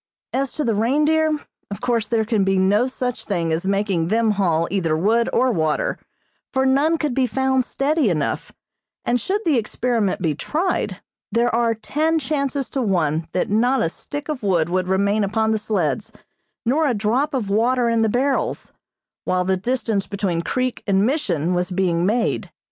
As to the reindeer, of course there can be no such thing as making them haul either wood or water, for none could be found steady enough, and should the experiment be tried, there are ten chances to one that not a stick of wood would remain upon the sleds, nor a drop of water in the barrels, while the distance between creek and Mission was being made.